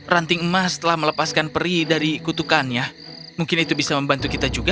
ranting emas telah melepaskan peri dari kutukannya mungkin itu bisa membantu kita juga